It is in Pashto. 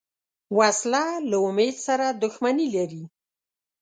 وسله له امید سره دښمني لري